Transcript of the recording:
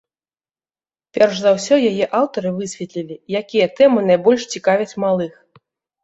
Перш за ўсё яе аўтары высветлілі, якія тэмы найбольш цікавяць малых.